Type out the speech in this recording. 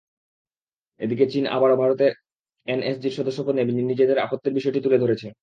এদিকে, চীন আবারও ভারতের এনএসজির সদস্যপদ নিয়ে নিজেদের আপত্তির বিষয়টি তুলে ধরেছে।